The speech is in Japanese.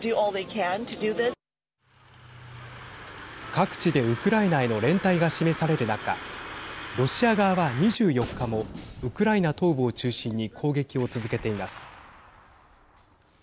各地でウクライナへの連帯が示される中ロシア側は２４日もウクライナ東部を中心に攻撃を続けています。